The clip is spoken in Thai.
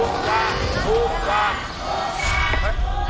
ถูกกว่า๓๕บาท